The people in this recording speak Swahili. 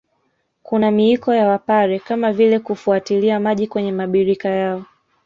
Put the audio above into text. Kuna miiko ya Wapare kama vile kufuatilia maji kwenye mabirika yao